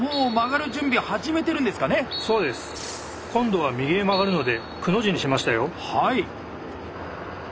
今度は右へ曲がるので「くの字」にしましたよ。